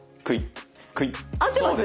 合ってます？